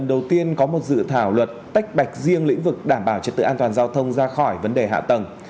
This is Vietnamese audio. đầu tiên có một dự thảo luật tách bạch riêng lĩnh vực đảm bảo trật tự an toàn giao thông ra khỏi vấn đề hạ tầng